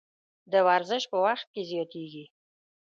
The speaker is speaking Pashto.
د ورزش په وخت کې زیاتیږي.